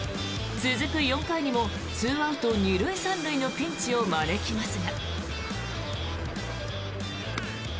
続く４回にも２アウト、２塁３塁のピンチを招きますが。